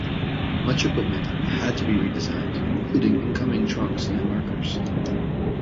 Much equipment had to be redesigned, including incoming trunks and markers.